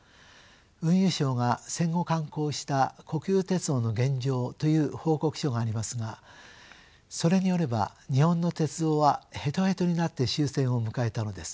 運輸省が戦後刊行した「国有鉄道の現状」という報告書がありますがそれによれば日本の鉄道はヘトヘトになって終戦を迎えたのです。